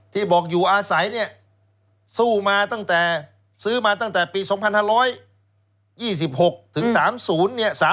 ที่บอกอยู่อาศัยเนี่ยสู้มาตั้งแต่ซื้อมาตั้งแต่ปี๒๕๒๖ถึง๓๐เนี่ย